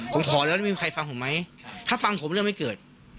ผมขอแล้วไม่มีใครฟังผมไหมถ้าฟังผมเรื่องไม่เกิด